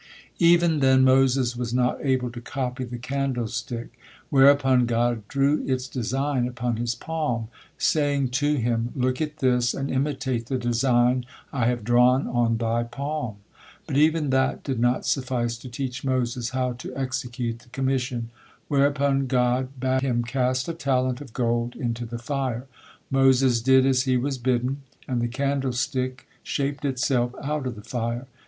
Even then Moses was not able to copy the candlestick, whereupon God drew its design upon his palm, saying to him: "look at this, and imitate the design I have drawn on thy palm." But even that did not suffice to teach Moses how to execute the commission, whereupon God bade him cast a talent of gold into the fire. Moses did as he was bidden, and the candlestick shaped itself out of the fire.